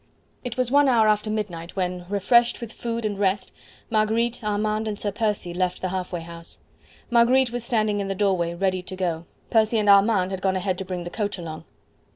It was one hour after midnight when refreshed with food and rest Marguerite, Armand and Sir Percy left the half way house. Marguerite was standing in the doorway ready to go. Percy and Armand had gone ahead to bring the coach along.